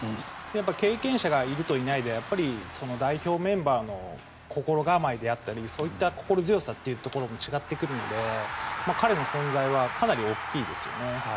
経験者がいるといないとでは代表メンバーの心構えであったりそういった心強さというところも違ってくるので彼の存在はかなり大きいですよね。